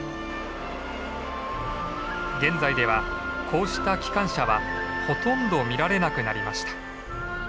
現在ではこうした機関車はほとんど見られなくなりました。